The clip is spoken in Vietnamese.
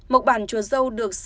mộc bản chùa dâu được sanh